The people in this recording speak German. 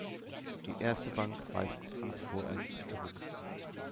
Die Erste Bank weist dies vorerst zurück.